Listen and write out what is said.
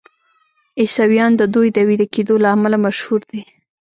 عیسویان د دوی د ویده کیدو له امله مشهور دي.